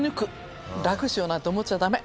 楽しようなんて思っちゃダメ。